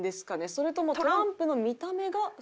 それともトランプの見た目が好きなのか。